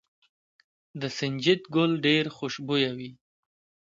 د سنجد ګل ډیر خوشبويه وي.